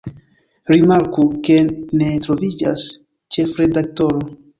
Rimarku, ke ne troviĝas “ĉefredaktoro”.